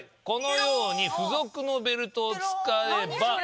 このように付属のベルトを使えば。